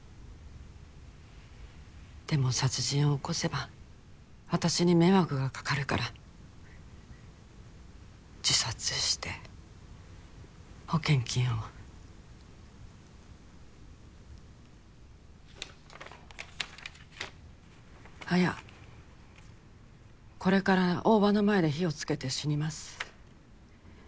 でも殺人を起こせば私に迷惑がかかるから自殺して保険金を「綾これから大庭の前で火をつけて死にます」